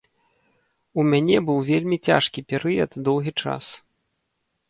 У мяне быў вельмі цяжкі перыяд доўгі час.